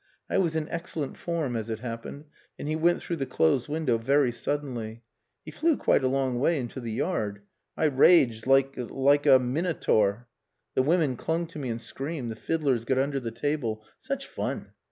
I was in excellent form as it happened, and he went through the closed window very suddenly. He flew quite a long way into the yard. I raged like like a minotaur. The women clung to me and screamed, the fiddlers got under the table.... Such fun!